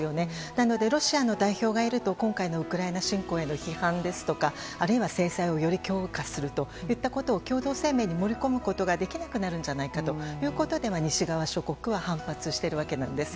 なのでロシアの代表がいると今回のウクライナ侵攻への批判ですとかあるいは制裁をより強化するということを共同声明に盛り込むこともできなくなると西側諸国は反発しているわけなんです。